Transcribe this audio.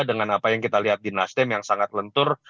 dengan apa yang kita lihat di nasdem yang sangat lentur